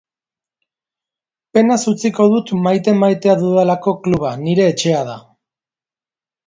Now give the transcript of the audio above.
Penaz utziko dut maite-maitea dudalako kluba, nire etxea da.